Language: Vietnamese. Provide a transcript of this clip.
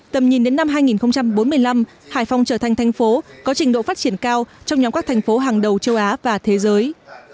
tầm nhìn đến năm hai nghìn bốn mươi năm hải phòng trở thành thành phố có trình độ phát triển cao trong nhóm các thành phố hàng đầu châu á và thế giới